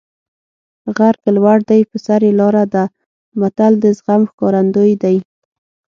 غر که لوړ دی په سر یې لاره ده متل د زغم ښکارندوی دی